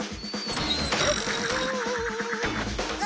あ！